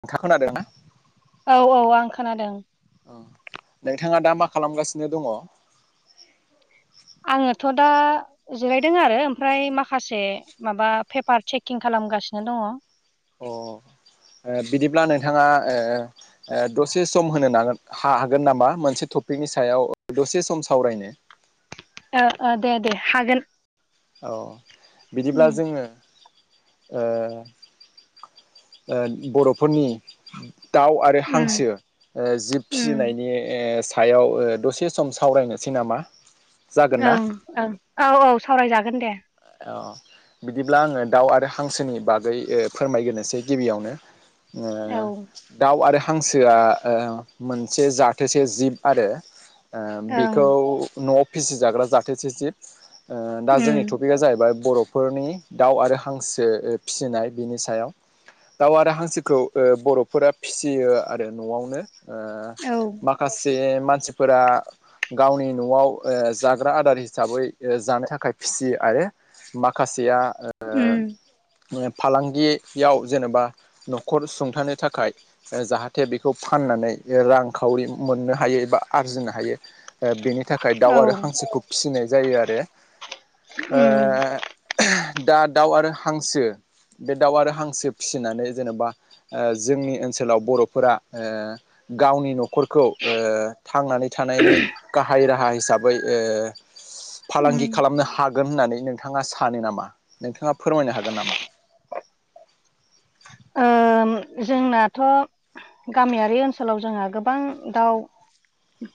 नोंथां खोनादोंना औ औ आं खोनादों नोंथाङा दा मा खालामगासिनो दङ? आङोथ' दा जिरायदों आरो ओमफ्राय माखासे माबा पेपार चेकिं खालाम गासिनो दंङो। अ बिदिब्ला नोंथाङा ओ दसे सम होनो नागोन हागोन नामा मोनसे टपिकनि सायाव दसे सम सावरायनो? ओ ओ दे दे हागोन। औ बिदिब्ला उम जोंङो ओ ओ बर'फोरनि दाउ आरो उम हांसो जिब उम फिसिनायनि सायाव दसे सम सावरायनोसै नामा जागोन ना ओं ओं औ औ सावरायजागोन दे। अ बिदिब्ला आंङो दाउ आरो हांसोनि बागै फोरमायग्रोनोसै गिबियावनो। ओ औ ओं दाउ आरो हांसोआ ओ मोनसे जाथोसे जिब आरो ओ बिखौ न'आव फिसिजाग्रा जाथो जिब ओ दा उम जोंनिथ' जाहैबाय बर'फोरनि दाउ आरो हांसो फिसिनाय बिनि सायाव दाउ आरो हांसोखौ ओ बर'फोरा फिसियो आरो न'आवनो ओ औ माखासे मानसिफोरा गावनि न'आव ओ जाग्रा आदार हिसाबै जानो थाखाय फिसियो आरो माखासेया ओम। फालांगियाव जेनेबा न'खर सुंथानो थाखाय जाहाथे बेखौ फान नानै रांखावरि मोननो हायो एबा आरजिनो हायो। ओ बेनि थाखाय औ दाउ आरो हांसोखौ फिसिनाय जायो आरो उम दा दाउ आरो हांसो बे दाउ आरो हांसो फिसिनानै जेन'बा ओ जोंनि ओनसोलाव बर'फोरा ओ गावनि न'खरखौ ओ थांनानै थानायनि गाहाय राहा हिसाबै ओ उम फालांगि खालामनो हागोन होननानै नोंथाङा सानो नामा? नोंथाङा फोरमायनो हागोन नामा। [inaudible] ओय जोंनाथ' गामियारि ओनसोलाव जोंहा गोबां दाउ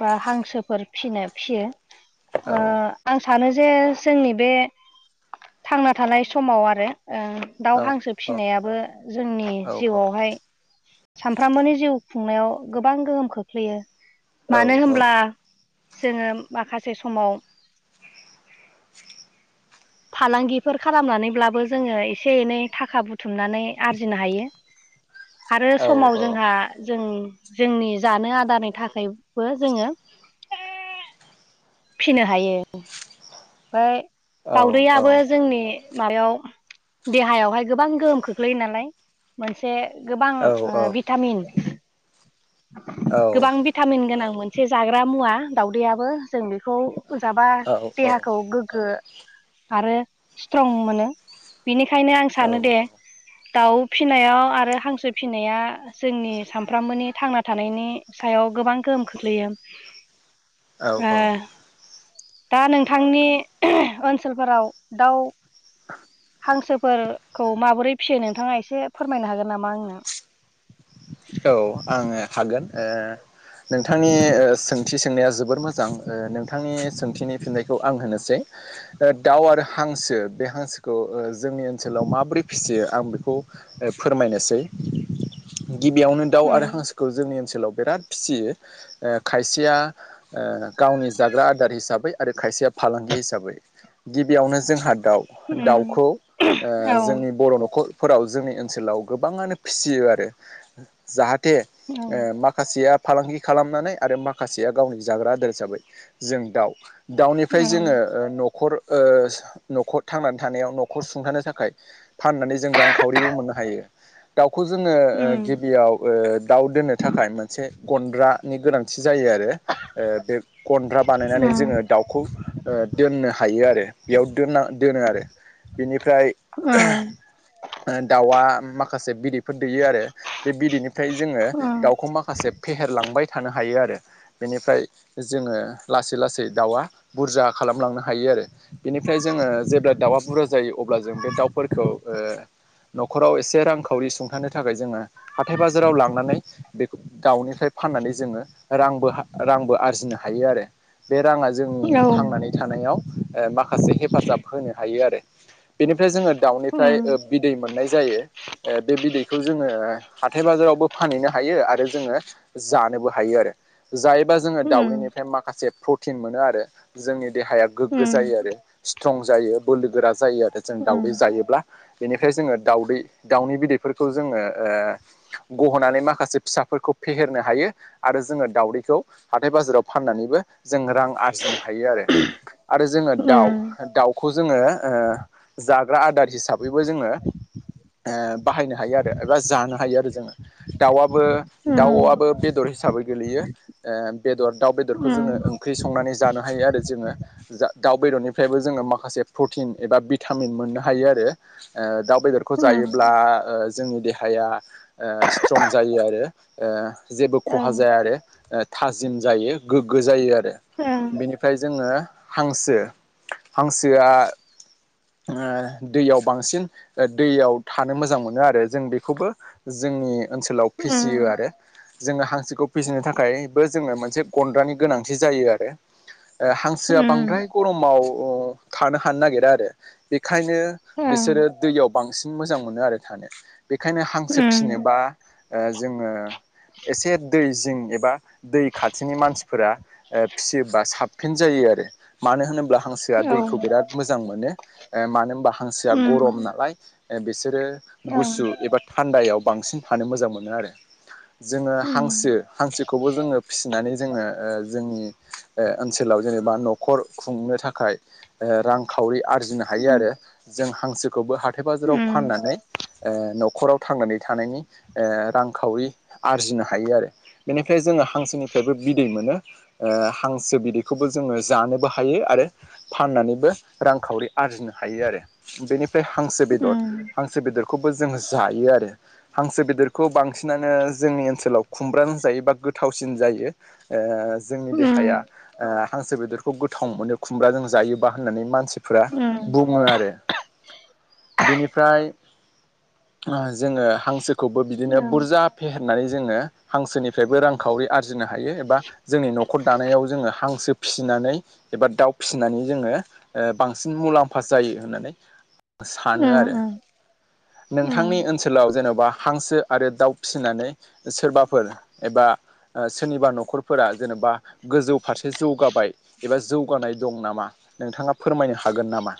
बा हांसोफोर फिनो फिसियो ओ औ आं सानो जे जोंनि बे थांना थानाय समाव आरो ओ दाउ औ हांसो औ फिसिनायाबो जोंनि औ औ जिउआवहाय सानफ्रामबोनि जिउ खुंनायाव गोबां गोहोम खोख्लैयो औ मानो औ होनब्ला जोंङो माखासे बे समाव फालांगिफोर खालामनानैब्लाबो जोंंङो एसे एनै थाखा बुथुमनानै आरजिनो हायो। [inaudible] आरो समाव जोंहा जोंनि जोंनि जानो आदारनि थाखायबो जोंङो फिसिनो हायो ओमफ्राय दाउदैआबो जोंनि माबायाव देहायावहाय गोबां गोहोम खोख्लैयो नालाय मोनसे गोबां ओ भिटामिन औ गोबां भिटामिन गोनां मोनसे जाग्रा मुवा दाउदैयाबो जों बेखौ जाबा औ देहाखौ गोग्गो आरो स्ट्रं मोनो। बिनिखायनो आं सानो दे औ दाउ फिसिनायाव आरो हांसो फिसिनाया जोंनि सानफ्रोमबोनि थांना थानायनि सायाव गोबां गोहोम खोख्लैयो ओ औ-औ दा नोंथांनि ओनसोलफोराव दाउ [unintelligible] हांसोफोरखौ माबोरै फिसियो नोंथाङा एसे फोरमायनो हागोन नामा आंनो औ आङो हागोन ओ नोंथांनि सोंथि सोंनाया जोबोर मोजां नोंथांनि सोंथिनि फिननायखौ आं होनोसै दाउ आरो हांसो बे हांसोखौ जोंनि ओनसोलाव माबोरै फिसियो आं बेखौ फोरमायनोसै गिबियावनो दाउ आरो उम हांसोखौ जोंङो सोलाव बिराद फिसियो ओ खायसेया गावनि जाग्रा आदार हिसाबै आरो से फालांगि हिसाबै गिबियावनो जोंहा दाउ उम दाउखौ ओ औ जोंनि बर' न'खर फोराव जोंनि ओनसोलाव गोबाङानो फिसियो आरो जाहा थे औ माखासेया फालांगि खालामनानै आरो माखासेया गावनि जाग्रा आदार हिसाबै जों दाउ दाउनिफ्राय जोङो ओ न खर ओ न'खर थांनानै थानायाव न'खौ सुंथानो थाखाय फाननानै जों रांखावरिबो मोननो हायो दाउखौ जोङो ओ उम गिबियाव ओ दाउ दोननो थाखाय मोनसे गन्द्रानि गोनांथि जायो आरो बे गन्द्रा बानायनानै उम जोङो दाउखौ ओ दोननो हायो आरो बेयाव दोनना दोनो आरो बिनिफ्राय उम दाउआ माखासे बिदैफोर दै बे बिदैनिफ्राय जोङो दाउखौ माखासे फेहेरलांबाय थानो हायो आरो बेनिफ्राय जोङो लासै-लासै दाउआ बुरजा खालामलांनो हायो बेनिफ्राय जोङो जेब्ला दाउआ बुरजा जायो अब्ला जों बे दाउफोरखौ ओ न'खराव एसे रांखावरि सुंथानो थाखाय जोङो हाथाय बाजाराव लांनानै बेफोर दाउनिफ्राय फाननानै जोङो रांबो-रांबो आरजि हायो आरो बे राङा जोंनि थांनानै थानायाव ओ माखासे हेफाजाब होनो हायो आरो बेनिफ्राय जोङो दाउनिफ्राय बिदै मोननाय जायो बे बिदैखौ जोङो हाथाइ बाजारावबो फानहैनो हायो आरो जोङो जानोबो हायो आरो जायोबा जोङो दाउदैनिफ्राय माखासे प्रटिन मोनो आरो जोंनि देहाया गोग्गो जायो आरो स्ट्रं जायो बोलो गोरा जायो आरो जों दाावदै जायोब्ला बेनिफ्राय जोङो दाउदै दाउनि बिदैफोरखौ जोङो ओ गह'नानै माखासे फिसाफोरखौ फेहेरनो हायो आरो जोङो दाावदैखौ हाथाय बाजाराव फान नानैबो जों रां आरजिनो हायो आरो आरो जोङो दाउ दाउखौ जोङो ओ जाग्रा आदार हिसाबैबो जोङो ओ बाहायनो हायो आरो एबा जानो हायो आरो जोङो दाउआबो दाउआबो बेदर हिसाबै गोलैयो बेदर दाउ बेदरखौ जोङो ओंख्रि संनानै जानो हायो आरो जोङो जा दाउ बेदरनिफ्रायबो जोङो माखासे प्रटिन एबा भिटामिन मोननो हायो आरो ओ दाउ बेदरखौ जायोब्ला जोंनि देहाया स्ट्रं जायो आरो ओ जेबो खहा जाया आरो थाजिम जायो गोग्गो जायो आ। बिनिफ्राय जोङो हांसो हांसोआ ओ दैयाव बांसिन दैयाव थानो मोजां मोनो आरो जों बेखौबो जोंनि ओनसोलाव फिसियो आरो जोङो हांसोखौ फिसिनो थाखायबो जोङो मोनसे गन्द्रानि गोनांथि जायो आरो हांसोआ बांद्राय गरमाव खानो हानो नागिरा आरो। बेखायनो बिसोरो दैयाव बांसिन मोजां मोनो आरो थानो बेखायनो हांसो फिसिनोबा ओ जोङो एसे दैजिं बा दै खाथिनि मानसिफोरा फिसियोबा साबसिन जायो आरो मानो होनोब्ला हांसोआ दैखौ बिराद मोजां मोनो मानो होनबा हांसोआ गरम नालाय बिसोरो गुसु एबा थान्दायाव बांसिन थानो मोजां मोनो आरो। जोङो हांसो हांसोखौबो जोङो फिसिनानै जोङो जोंनि ओनसोलाव जेनेबा न'खर खुंनो थाखाय रांखावरि आरजिनो हायो आरो जों हांसोखौबो हाथाय बाजाराव फाननानै न'खराव थांनानै थानायनि रांखावरि आरजिनो हायो आरो बेनिफ्राय जोङो हांसोनिफ्रायबो बिदै मोनो हांसो बिदैखौबो जोङो जानोबो हायो आरो फनानैबो रांखावरि आरजिनो हायो आरो बेनिफ्राय हांसो बेदर हांसो बेदरखौबो जोंङो जायो आरो। हांसो बेदरखौ बांसिनानो जोंनि ओनसोलाव खुमब्रानो जायो बा गोथावसिन जायो जोंनि देहाया हांसो बेदरखौ गोथाव मोनो खुमब्राजों जायोबा होननानै मानसि बुङो आरो बिनिफ्राय जोङो हांसोखौबो बिदिनो बुरजा फेहेरनानै जोङो हांसोनिफ्रायबो रांखावरि आरजि फुजिनो हायो एबा जोंनि न'खर दानायाव जोङो हांसो फिसिनानै एबा दाउ फिसिनानै जोङो बांसिन मुलाम्फा जायो होननानै सानो आरो नोंथांनि ओनसोल जेन'बा हांसो आरो दाउ फिसिनानै सोरबाफोर एबा सोरनिबा न'खरफोरा जेनेबा गोजौ फारसे जौगाबाय एबा जौगानाय दं नामा नोंथाङा फोरमायनो हागोन नामा?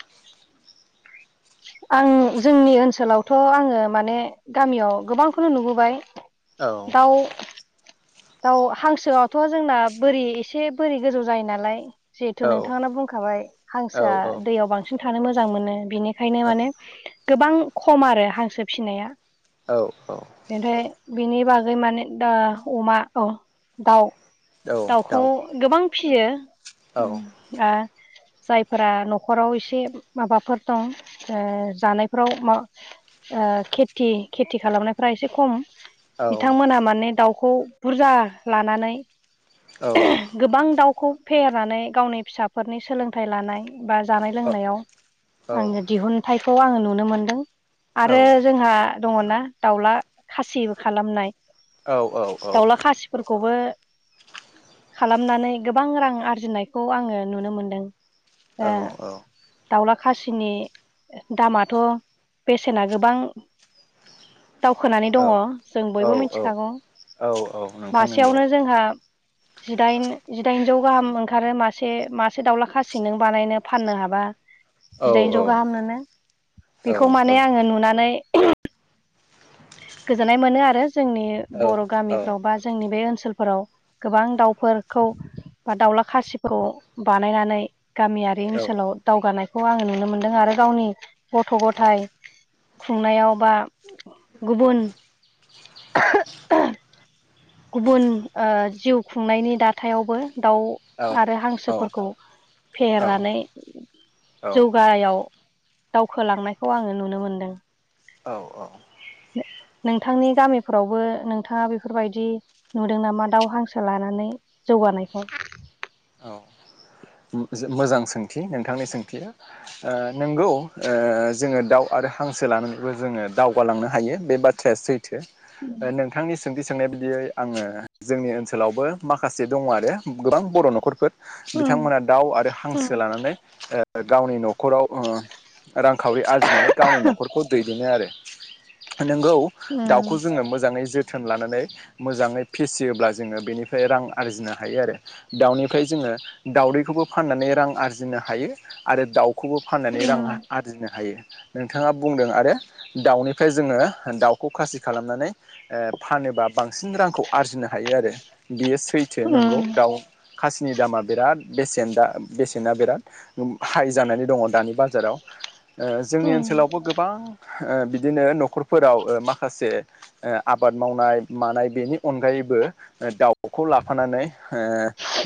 आं जोंनि ओनसोलावथ' आङो माने गामियाव गोबांखौनो नुबोबाय औ दाउ दउ हांसोआवथ' जोंना बोरि एसे बोरै गोजौ जायो नालाय जिहेथु औ नोंथां बुंखाबाय औ हांसोआ दैयाव बांसिन थानो मोजां मोनो बिनि ओंखायनो माने गोबां खम आरो हांसो फिसिनाया। औ औ। ओमफ्राय बिनि बागै माने दा अमा दाउ औ दाउखौ दाउ गोबां फियो औ उम जायफोरा न'खराव एसे माबाफोर दं जानायफ्राव मा खेथि खेथि खालामनायफ एसे खम औ बिथांमोना माने दाउखौ बुरजा लानानै औ गोबां दाउखौ फेहेरनानै गावनि फिसाफोरनि सोलोंथाइ लानाय बा जानाय लोंनायाव आङो दिहुनथाइखौ आङो नुनो मोनदों औ आरो जोंहा दङनाा दाउला खासिबो खालामनाय दाउला खासिफोरखौबो खालामनानै गोबां रां आरजिनायखौ आङो नुनो मोनदों दाउला खासिनि दामाथ' बेसेना गोबां दावखोनानै दङ जों औ बयबो औ मिथिखागौ औ औ नोंथां नंगौ मासेयावनो जोंहा [inaudible] जिदाइन जिदाइनजौ गाहाम ओंखारो मासे मासे दाउला खासि नों बानायनो फाननो हाबा औ जिदाइनजौ औ।। गाहाम मोनो औ बेखौ माने आङो नुनानै गोजोननाय मोनो आरो जोंनि बर' औ गामिफ्राव बा जोंनि बे ओनसोलाव ओनसोलफोराव गोबां दाउफोरखौ बा दाउला खासिखौ बानायनानै गामियारि ओनसोलाव दावगानाय खौ आङो नुनो मोनदों आरो गावनि गथ' गथाय खुंनायाव बा गुबुन गुबुन ओ जिउ खुंनायनि दाथायावबो दाउ आरो हांसोफोरखौ औ फेहेरनानै औ जौगानायाव दावखोलांनायखौ आङो नुनो मोनदों। औ औ। नोंथांनि गामिफोरावबो नोंथाङा बेफोरबायदि नुदों नामा दाउ हांसो लानानै जौगानायखौ औ मोजां सोंथि नोंथांनि सोंथिया ओ नोंगौ ओ जोङो दाउ आरो हांसो लानानैबो जोङो दावगालांनो हायो बे बाथ्राया सै जों ओ नोंथांनि सोंथि सोंनाय बिदियै आङो जोंनि ओनसोलावबो माखासे दङ आरो गोबां बर' न'खरफोर ओं बिथांमोना दाउ आरो हांसो लानानै ओ गावनि न' न'खराव ओ रांखावरि आरजिनानै गावनि न'खरखौ दैदेनो आरो नोंगौ दाउखौ जोङो मोजाङै जो जोथोन लानानै मोजाङै फिसियोब्ला जोङो बेनिफ्राय रां आरजिनो हायो आरो दाउनि फ्राय जोङो दाउदैखौबो फाननानै रां आरजिनो हायो आरो दाउ खौबो फाननानै रां आरजिनो हायो नोंथाङा बुंदों आरो दाउनिफ्राय जोङो दाउखौ खासि खालामनानै ओ फानो बा बांसिन रांखौ आरजिनो हायो आरो बेयो सैथो नंगौ ओं दाउ खासिनि दामा बिराद बेसेन दा बेसेना बिराद हाइ जानानै दङ दानि बाजाराव ओ जोंनि ओं ओनसोलावबो गोबां ओ बिदिनो न'खरफोराव ओ माखासे ओ आबाद मावनाय मानाय बेनि अनगायै बो दाउखौ लाफानानै ओ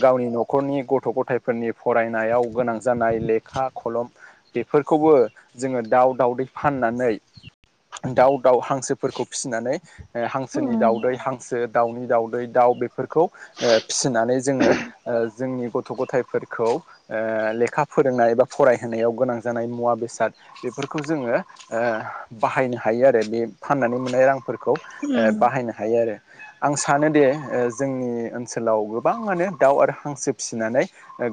गावनि न'खरनि गथ' गथायफोरनि फरायनायाव गोनां जानाय लेखा खलम बेफोरखौबो जोङो दाउ दउदै फाननानै दाउ दाउ हांसोफोरखौ फिसिनानै ओ हांसोनि दाउदै हांसो दाउनि दाउदै दाउ बेफोरखौ ओ फिसिनानै जोङो ओ जोंनि गथ' गथायफोरखौ ओ लेखा फोरोंनाय बा फरायहोनायाव गोनां जानाय मु मुवा बेसाद बेफोरखौ जोङो ओ बाहायनो हायो आरो बे फाननानै मोननाय रां फोरखौ ओ बाहायनो हायो आरो आं सानोदि ओ जोंनि ओनसोलाव गोबांङानो दाउ आरो हांसो फिसिनानै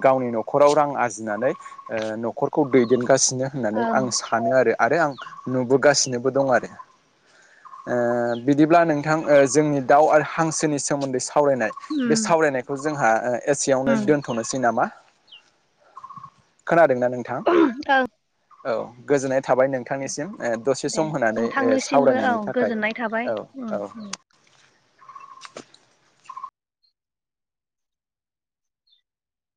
गावनि न'खराव रां आरजिनानै ओ न'खरखौ दैदेन गासिनो होननानै आं सानो आरो आरो आं नुबोगासिनोबो दं आरो ओ बिदिब्ला नोंथां ओ जोंनि दाउ आरो हांसोनि सोमोन्दै साव सावरायनाय बे सावरायनायखौ जोंहा एसेयावनो दोनथ'नोसै नामा खोनादोंना नोंथां औ गोजोननाय थाबाय नोंथांनिसिम ओ दसे दे सम होनानै ओ नोंथांनिसिमबो औ सावरायनायनि थाखाय गोजोननाय थाबाय औ उम औ उम [inaudible]